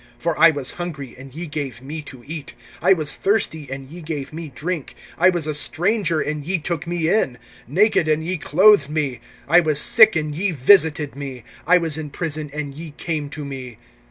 (35)For I was hungry, and ye gave me to eat; I was thirsty, and ye gave me drink; I was a stranger and ye took me in, (36)naked and ye clothed me; I was sick, and ye visited me; I was in prison, and ye came to me.